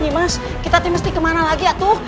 mas kita mesti kemana lagi atuh